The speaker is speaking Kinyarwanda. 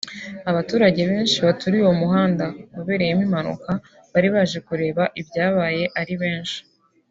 Abaturage benshi baturiye uwo muhanda wabereyemo impanuka bari baje kureba ibyabaye ari benshi